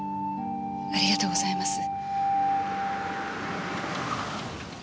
ありがとうございます。